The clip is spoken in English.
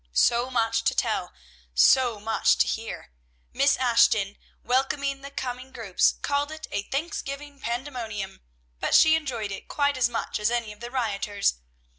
So much to tell! So much to hear! Miss Ashton, welcoming the coming groups, called it a "Thanksgiving Pandemonium;" but she enjoyed it quite as much as any of the rioters.